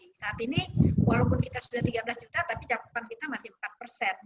meskipun kita sudah tiga belas juta tapi cakupan kita masih empat persen